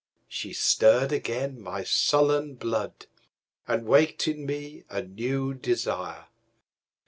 She stirred again my sullen blood, And waked in me a new desire.